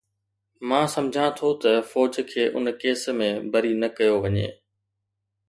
مان سمجهان ٿو ته فوج کي ان ڪيس ۾ بري نه ڪيو وڃي.